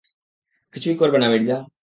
কিছুই করবে না মির্জা।